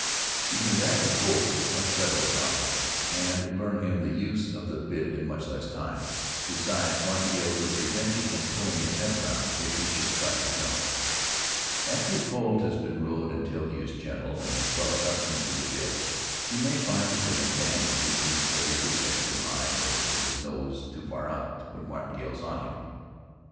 You can guide the colt much better without them, and learn him the use of the bit in much less time. Besides, martingales would prevent you from pulling his head around if he should try to jump. After your colt has been rode until he is gentle and well accustomed to the bit, you may find it an advantage if he carries his head too high, or his nose too far out, to put martingales on him.